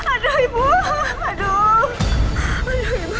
aduh ibu aduh